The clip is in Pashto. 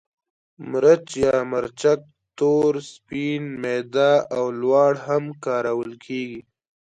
مرچ یا مرچک تور، سپین، میده او لواړ هم کارول کېږي.